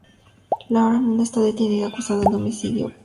Laura M. está detenida acusada de homicidio simple.